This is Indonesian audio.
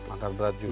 angkat berat juga